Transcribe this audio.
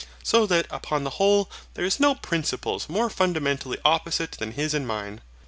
So that upon the whole there are no Principles more fundamentally opposite than his and mine.